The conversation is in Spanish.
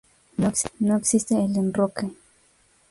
No existe el enroque.